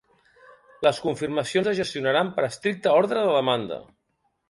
Les confirmacions es gestionaran per estricte ordre de demanda.